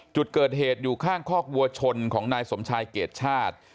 จุดเกิดเหตุอยู่ข้างคอกวัวชนของนายสมชายเกรดชาติ